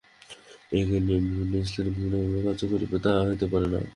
একই নিয়ম বিভিন্ন স্থানে বিভিন্নভাবে কার্য করিবে, তাহা হইতে পারে না।